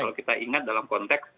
kalau kita ingat dalam konteks